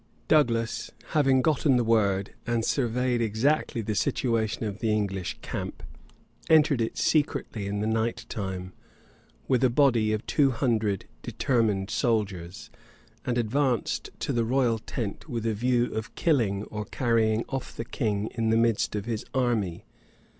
Douglas, having gotten the word, and surveyed exactly the situation of the English camp, entered it secretly in the night time, with a body of two hundred determined soldiers, and advanced to the royal tent, with a view of killing or carrying off the king in the midst of his army.